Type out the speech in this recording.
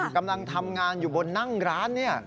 กำลังทำงานอยู่บนนั่งร้านเนี่ย